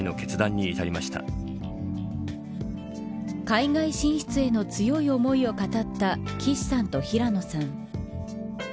海外進出への強い思いを語った岸さんと平野さん。